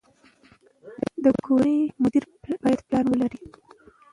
د کورنۍ مدیر باید پلان ولري.